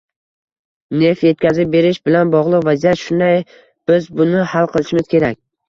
Neft etkazib berish bilan bog'liq vaziyat shunday, biz buni hal qilishimiz kerak